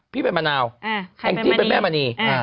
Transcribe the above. พี่เป็นมะนาวแองจี้เป็นแม่มณี